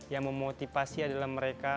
yang memotivasi adalah mereka